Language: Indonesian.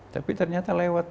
tapi ternyata lewat